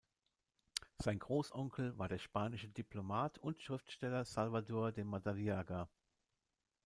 Sein Großonkel war der spanische Diplomat und Schriftsteller Salvador de Madariaga.